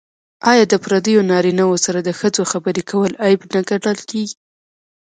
آیا د پردیو نارینه وو سره د ښځو خبرې کول عیب نه ګڼل کیږي؟